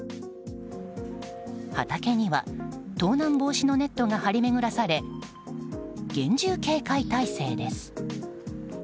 畑には、盗難防止のネットが張り巡らされ厳重警戒態勢です。